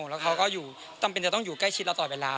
แล้วเขาก็ต้องอยู่ใกล้ชิดเราต่อเวลา